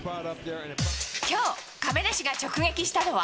きょう、亀梨が直撃したのは。